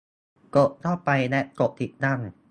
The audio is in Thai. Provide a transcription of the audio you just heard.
กดเข้าไป และกดติดตั้ง